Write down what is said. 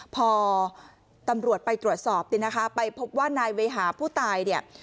พอตำรวจไปตรวจสอบเนี่ยนะคะไปพบว่านายเวหาผู้ตายเนี่ย